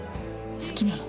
好きなの？